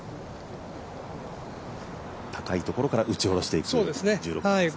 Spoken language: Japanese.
高いところから打ち下ろしていくという１６番ですね。